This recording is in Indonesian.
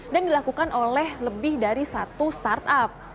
dan dilakukan oleh lebih dari satu startup